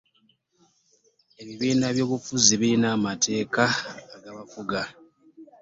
Ebibiina by'ebyobufuzi birina amateeka agabafuga.